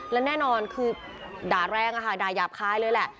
และแน่นอนคือด่าแรงอะค่ะด่ายาบคายเลยแหละ